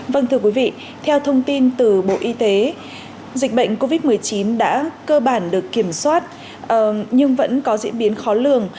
vâng thưa quý vị theo thông tin từ bộ y tế dịch bệnh covid một mươi chín đã cơ bản được kiểm soát nhưng vẫn có diễn biến khó lường